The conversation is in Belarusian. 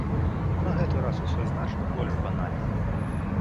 На гэты раз усё значна больш банальна.